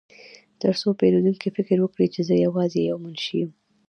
ترڅو پیرودونکي فکر وکړي چې زه یوازې یو منشي یم